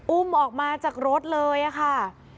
อุ้มออกมาจากรถเลยค่ะ